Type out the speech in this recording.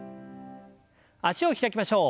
脚を開きましょう。